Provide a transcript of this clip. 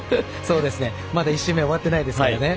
まだ１週目終わってないですからね。